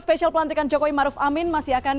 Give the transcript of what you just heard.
spesial pelantikan jokowi maruf amin masih akan